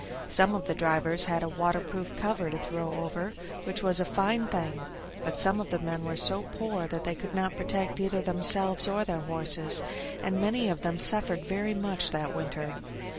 Some of the drivers had a waterproof cover to throw over, which was a fine thing; but some of the men were so poor that they could not protect either themselves or their horses, and many of them suffered very much that winter.